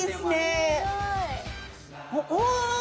すごい！お！